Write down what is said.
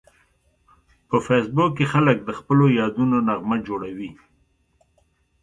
په فېسبوک کې خلک د خپلو یادونو نغمه جوړوي